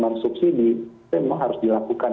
langsung sini memang harus dilakukan